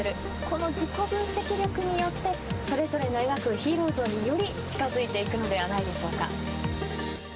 この自己分析力によってそれぞれの描くヒーロー像により近づいていくのではないでしょうか。